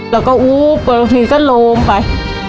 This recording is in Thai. เราก็อู๊บก็ล้มไป